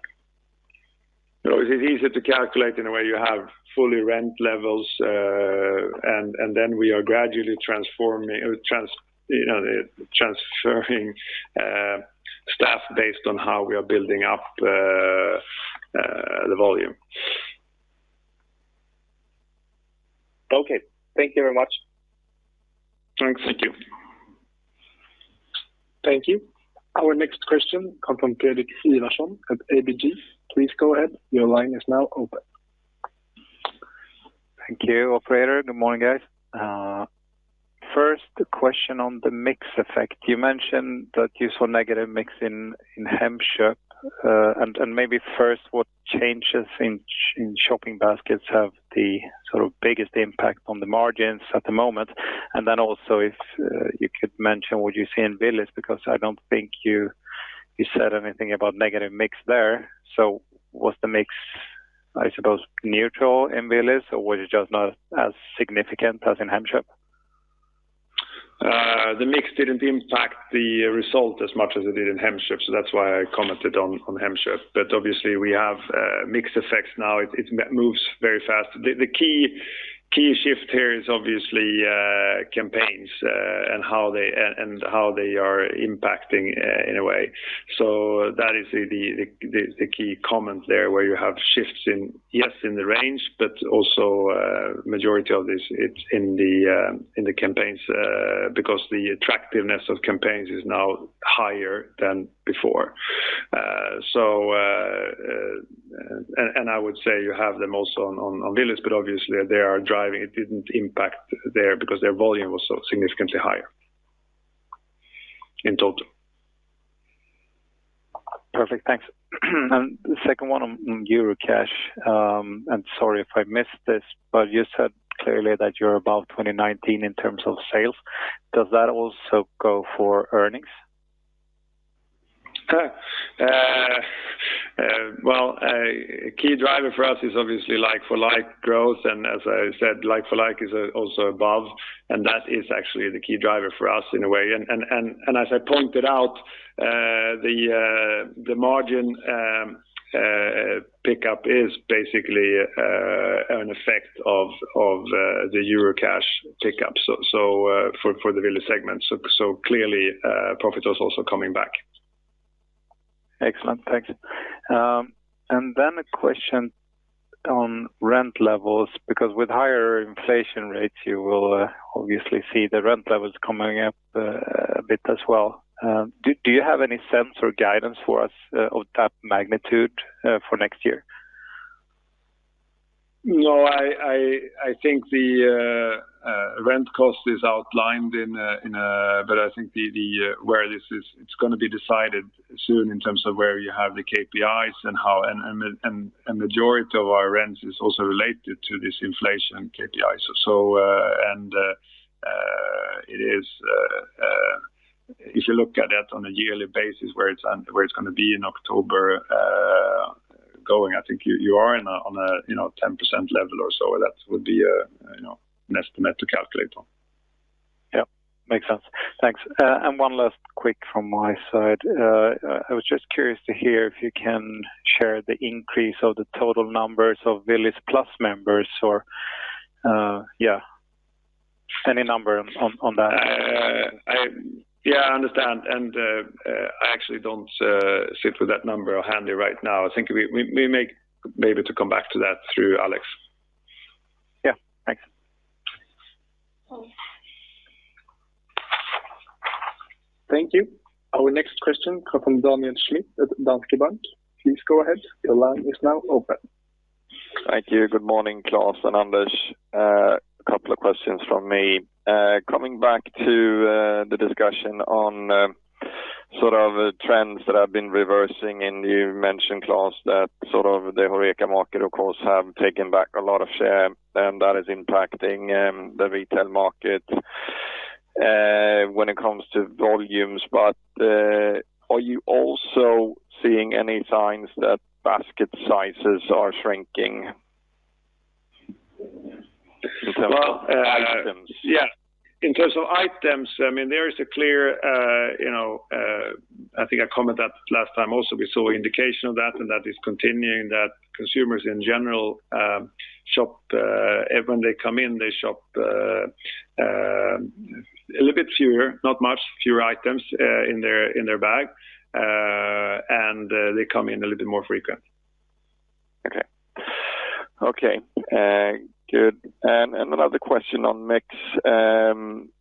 You know, it is easy to calculate in a way you have full rent levels, and then we are gradually transferring the volume. Okay. Thank you very much. Thanks. Thank you. Thank you. Our next question come from Fredrik Ivarsson at ABG. Please go ahead. Your line is now open. Thank you, operator. Good morning, guys. First, the question on the mix effect. You mentioned that you saw negative mix in Hemköp, and maybe first, what changes in shopping baskets have the sort of biggest impact on the margins at the moment? Then also if you could mention what you see in Willys because I don't think you said anything about negative mix there. What's the mix, I suppose, neutral in Willys or was it just not as significant as in Hemköp? The mix didn't impact the result as much as it did in Hemköp so that's why I commented on Hemköp. Obviously, we have mix effects now. It moves very fast. The key shift here is obviously campaigns and how they are impacting in a way. That is the key comment there, where you have shifts in, yes, in the range, but also majority of this, it's in the campaigns because the attractiveness of campaigns is now higher than before. I would say you have them also on Willys, but obviously they are driving. It didn't impact there because their volume was so significantly higher in total. Perfect. Thanks. The second one on Eurocash, and sorry if I missed this, but you said clearly that you're above 2019 in terms of sales. Does that also go for earnings? Well, a key driver for us is obviously like-for-like growth, and as I said, like-for-like is also above, and that is actually the key driver for us in a way. As I pointed out, the margin pickup is basically an effect of the Eurocash pickup. For the Willys segment. Clearly, profit is also coming back. Excellent. Thanks. A question on rent levels, because with higher inflation rates, you will obviously see the rent levels coming up a bit as well. Do you have any sense or guidance for us of that magnitude for next year? No, I think the rent cost is outlined in it, but I think the way this is, it's gonna be decided soon in terms of where you have the KPIs and how and the majority of our rents is also related to this inflation KPI. It is, if you look at it on a yearly basis, where it's gonna be in October going. I think you are on a, you know, 10% level or so that would be, you know, an estimate to calculate on. Yeah. Makes sense. Thanks. One last quick from my side. I was just curious to hear if you can share the increase of the total numbers of Willys Plus members or, yeah, any number on that. Yeah, I understand, and I actually don't sit with that number handy right now. I think we may be to come back to that through Alex. Yeah. Thanks. Thank you. Our next question comes from Daniel Schmidt at Danske Bank. Please go ahead. Your line is now open. Thank you. Good morning, Klas and Anders. Couple of questions from me. Coming back to the discussion on sort of trends that have been reversing and you mentioned, Klas, that sort of the HoReCa market of course have taken back a lot of shares and that is impacting the retail market. When it comes to volumes, but are you also seeing any signs that basket sizes are shrinking? Well- In terms of items. Yeah. In terms of items, I mean, there is a clear, you know, I think I commented that last time also, we saw indication of that, and that is continuing that consumers in general shop when they come in, they shop a little bit fewer, not much, fewer items in their bag. And they come in a little bit more frequent. Okay. Another question on mix.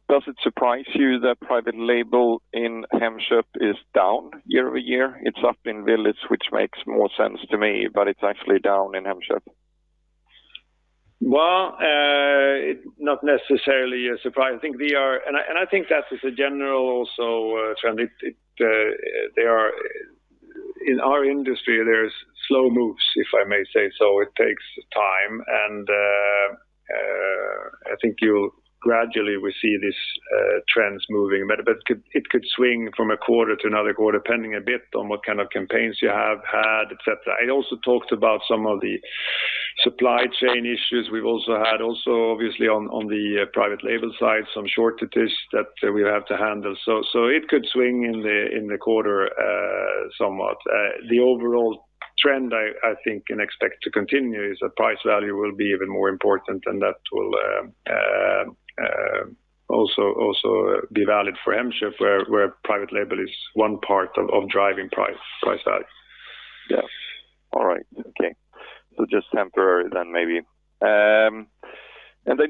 Does it surprise you that private label in Hemköp is down year-over-year? It's up in Willys, which makes more sense to me, but it's actually down in Hemköp. Well, not necessarily a surprise. I think that is also a general trend. In our industry, there are slow moves, if I may say so. It takes time. I think you'll gradually will see these trends moving. It could swing from a quarter to another quarter, depending a bit on what kind of campaigns you have had, et cetera. I also talked about some of the supply chain issues we've also had obviously on the private label side, some shortages that we have to handle. It could swing in the quarter somewhat. The overall trend, I think and expect to continue is that price value will be even more important, and that will also be valid for Hemköp where private label is one part of driving price value. Yeah. All right. Okay. Just temporary then maybe.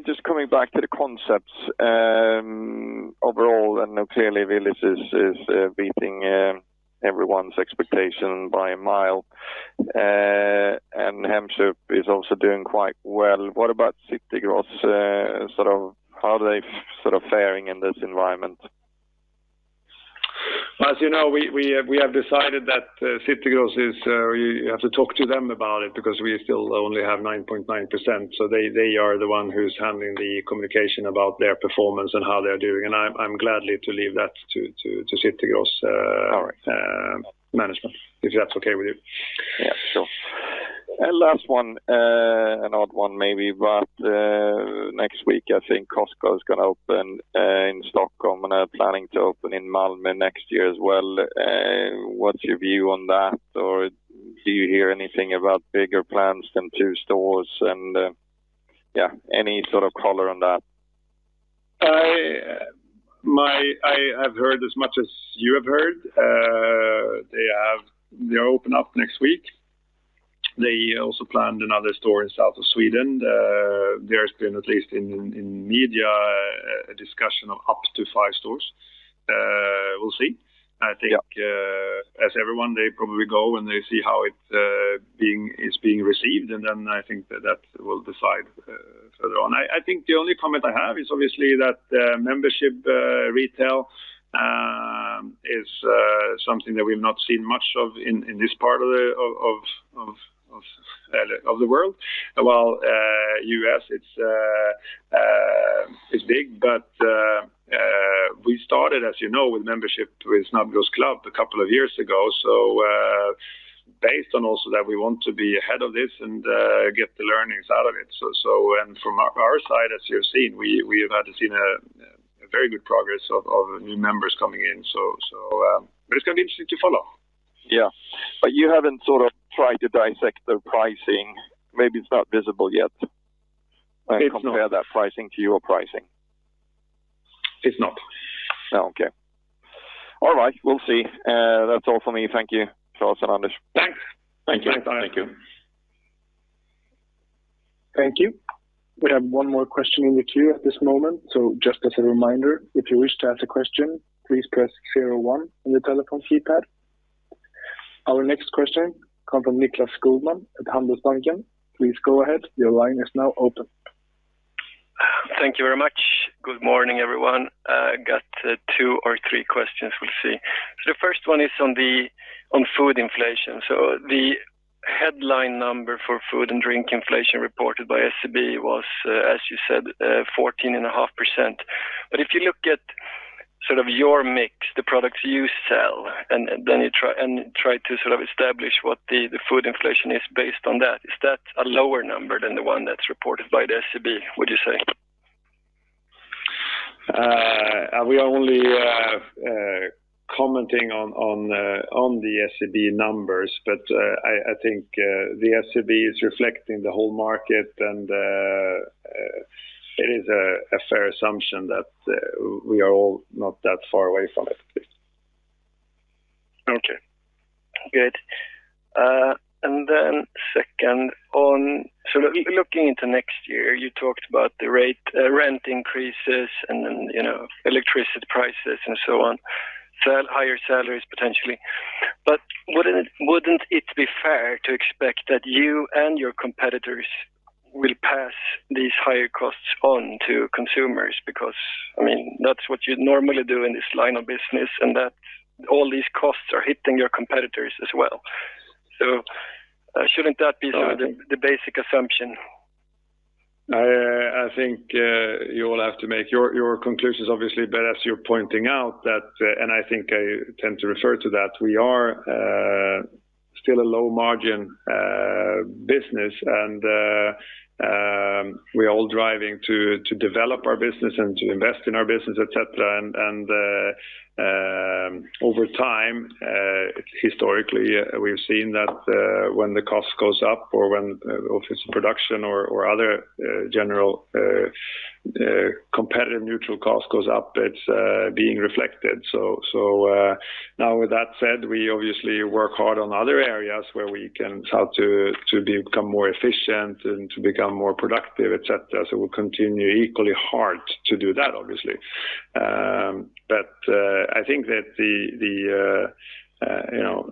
Just coming back to the concepts. Overall, I know clearly Willys is beating everyone's expectation by a mile. Hemköp is also doing quite well. What about City Gross? Sort of how are they faring in this environment? As you know, we have decided that City Gross, you have to talk to them about it because we still only have 9.9%. They are the one who's handling the communication about their performance and how they're doing. I'm glad to leave that to City Gross- All right. management, if that's okay with you. Yeah. Sure. Last one, an odd one maybe, but next week, I think Costco is gonna open in Stockholm, and are planning to open in Malmö next year as well. What's your view on that? Or do you hear anything about bigger plans than two stores? Yeah, any sort of color on that? I have heard as much as you have heard. They open up next week. They also planned another store in south of Sweden. There's been, at least in media, a discussion of up to five stores. We'll see. Yeah. I think, as everyone, they probably go and they see how it is being received, and then I think that will decide further on. I think the only comment I have is obviously that membership retail is something that we've not seen much of in this part of the world. While in the U.S. it is big, but we started, as you know, with membership with Snabbgross Club a couple of years ago. Based on also that we want to be ahead of this and get the learnings out of it. It's gonna be interesting to follow. Yeah. You haven't sort of tried to dissect the pricing. Maybe it's not visible yet. It's not. Compare that pricing to your pricing. It's not. Okay. All right. We'll see. That's all for me. Thank you, Klas and Anders. Thanks. Thank you. Thanks. Bye. Thank you. Thank you. We have one more question in the queue at this moment. Just as a reminder, if you wish to ask a question, please press zero one on your telephone keypad. Our next question come from Niklas Lundin at Handelsbanken. Please go ahead. Your line is now open. Thank you very much. Good morning, everyone. Got two or three questions, we'll see. The first one is on food inflation. The headline number for food and drink inflation reported by SEB was, as you said, 14.5%. But if you look at sort of your mix, the products you sell, and then you try to sort of establish what the food inflation is based on that, is that a lower number than the one that's reported by the SEB, would you say? We are only commenting on the SCB numbers. I think the SCB is reflecting the whole market, and it is a fair assumption that we are all not that far away from it. Okay. Good. Then second one. Looking into next year, you talked about the rent increases and then, you know, electricity prices and so on. Higher salaries, potentially. Wouldn't it be fair to expect that you and your competitors will pass these higher costs on to consumers? Because, I mean, that's what you normally do in this line of business, and that all these costs are hitting your competitors as well. Shouldn't that be- I think- the basic assumption? I think you'll have to make your conclusions obviously. As you're pointing out that, and I think I tend to refer to that, we are still a low margin business. We are all driving to develop our business and to invest in our business, et cetera. Over time, historically, we've seen that, when the cost goes up or when if it's production or other general competitive neutral cost goes up, it's being reflected. Now with that said, we obviously work hard on other areas where we can try to become more efficient and to become more productive, et cetera. We'll continue equally hard to do that obviously. I think that the you know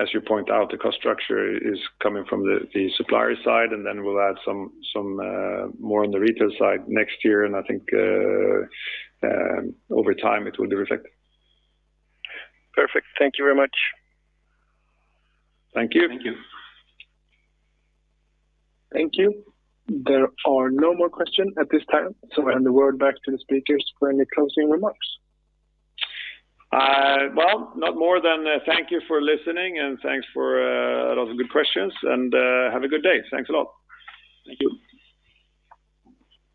as you point out the cost structure is coming from the supplier side, and then we'll add some more on the retail side next year. I think over time it will be reflected. Perfect. Thank you very much. Thank you. Thank you. Thank you. There are no more questions at this time. I hand the word back to the speakers for any closing remarks. Well, not more than thank you for listening, and thanks for a lot of good questions. Have a good day. Thanks a lot. Thank you.